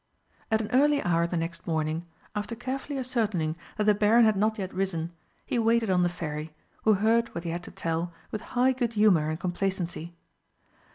At an early hour the next morning, after carefully ascertaining that the Baron had not yet risen, he waited on the Fairy, who heard what he had to tell with high good humour and complacency.